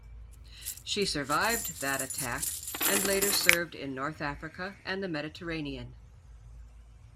She survived that attack, and later served in North Africa and the Mediterranean.